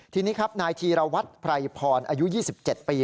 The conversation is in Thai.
ทีนี้ครับนายธีรวัตรไพรพรอายุ๒๗ปี